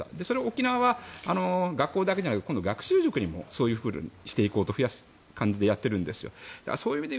それを沖縄は学校だけじゃなくて学習塾にもそういうふうにして増やそうという感じでやっているんです。